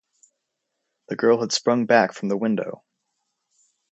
The girl had sprung back from the window.